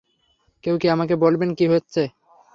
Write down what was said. কেউ কি আমাকে বলবেন কি হচ্ছে?